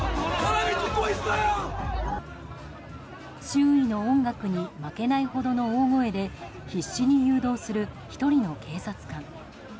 周囲の音楽に負けないほどの大声で必死に誘導する１人の警察官。